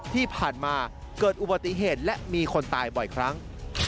ที่ผ่านมาเกิดอุบัติเหตุและมีคนตายบ่อยครั้ง